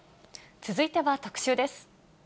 続いては特集です。